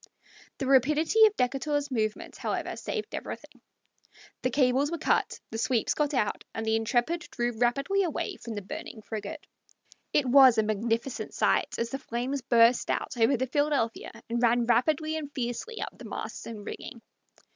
The rapidity of Decatur's movements, however, saved everything. The cables were cut, the sweeps got out, and the Intrepid drew rapidly away from the burning frigate. It was a magnificent sight as the flames burst out over the Philadephia and ran rapidly and fiercely up the masts and rigging.